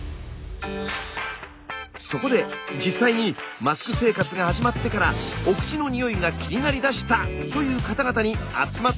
そこで実際にマスク生活が始まってからお口のにおいが気になりだしたという方々に集まって頂きました。